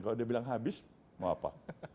kalau dia bilang habis mau apa